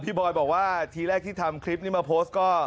บอยบอกว่าทีแรกที่ทำคลิปนี้มาโพสต์ก็